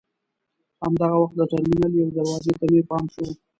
همدغه وخت د ټرمینل یوې دروازې ته مې پام شو.